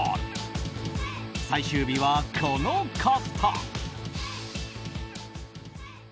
最終日は、この方。